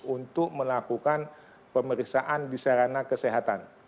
untuk melakukan pemeriksaan di sarana kesehatan